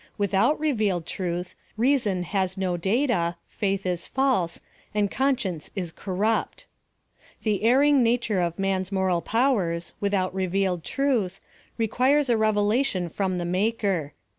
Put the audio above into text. Withoul revealed Truth, Reason has no data^ Faith is false, and Conscience is cor rupt. The erring nature of man's moral powers, without Revealed Truth, requires a revelation from the Maker.